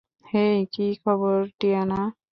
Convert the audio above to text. হেই, কী খবর, টিয়ানা?